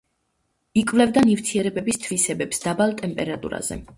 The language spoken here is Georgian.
იკვლევდა ნივთიერებების თვისებებს დაბალ ტემპერატურებზე.